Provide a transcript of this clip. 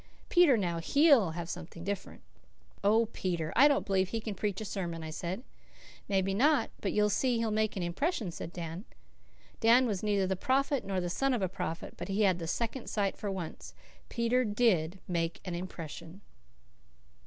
Peter, now, HE'LL have something different." "Oh, Peter! I don't believe he can preach a sermon," I said. "Maybe not, but you'll see he'll make an impression," said Dan. Dan was neither the prophet nor the son of a prophet, but he had the second sight for once; Peter DID make an impression.